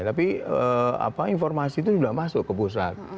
tapi informasi itu sudah masuk ke pusat